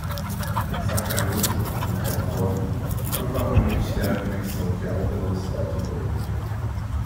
Sacramento, em Calafornia, provavelmente terá conexão de alta velocidade em breve.